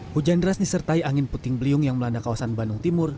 hujan deras disertai angin puting beliung yang melanda kawasan bandung timur